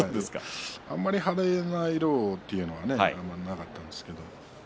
あまり派手な色というのはなかったんですけれど。